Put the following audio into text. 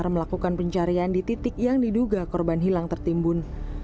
melakukan pencarian di titik yang diduga korban hilang tertimbun